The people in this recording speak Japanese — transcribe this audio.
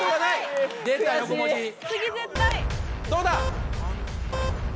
どうだ？